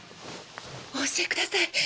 お教えください！